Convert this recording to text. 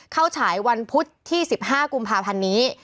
ฉายวันพุธที่๑๕กุมภาพันธ์นี้